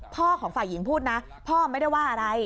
พ่อของฝ่ายหญิงพูดนะพ่อไม่ได้ว่าอะไร